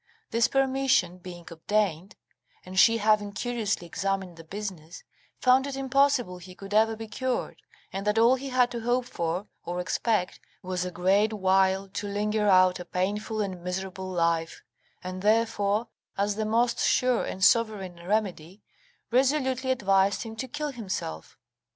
This permission being obtained, and she having curiously examined the business, found it impossible he could ever be cured, and that all he had to hope for or expect was a great while to linger out a painful and miserable life, and therefore, as the most sure and sovereign remedy, resolutely advised him to kill himself.